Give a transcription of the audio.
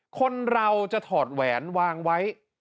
คนเราจะถอดแหวนวางไว้